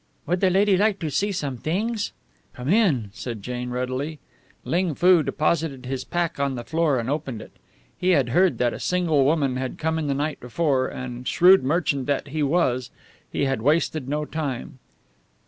"Would the lady like to see some things?" "Come in," said Jane, readily. Ling Foo deposited his pack on the floor and opened it. He had heard that a single woman had come in the night before and, shrewd merchant that he was, he had wasted no time.